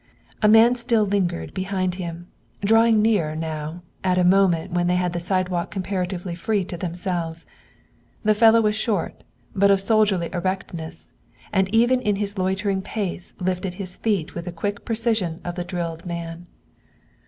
A man still lingered behind him, drawing nearer now, at a moment when they had the sidewalk comparatively free to themselves. The fellow was short, but of soldierly erectness, and even in his loitering pace lifted his feet with the quick precision of the drilled man.